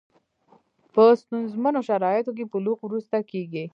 په ستونزمنو شرایطو کې بلوغ وروسته کېږي.